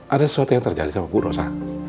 ada sesuatu yang terjadi sama bu rosa